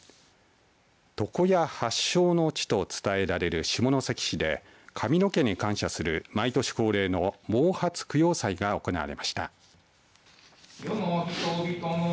床屋発祥の地と伝えられる下関市で髪の毛に感謝する毎年恒例の毛髪供養祭が行われました。